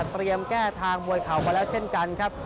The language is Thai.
เตรียมแก้ทางมวยเข่าไปแล้วเช่นกันครับ